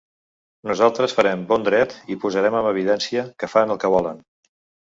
Nosaltres farem bon dret i posarem en evidència que fan el que volen.